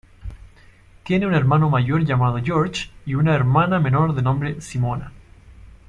Tiene un hermano mayor llamado George y una hermana menor de nombre Simona.